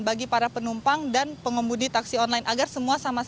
bagi para penumpang dan pengemudi taksi online